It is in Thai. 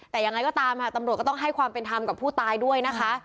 แต่ยังไงก็ตามค่ะตำรวจก็ต้องให้ความเป็นธรรมกับผู้ตายด้วยนะคะ